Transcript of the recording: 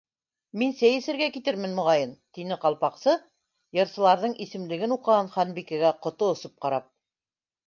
—Мин сәй эсергә китермен, моғайын, —тине Ҡалпаҡсы, йырсыларҙың исемлеген уҡыған Ханбикәгә ҡото осоп ҡарап.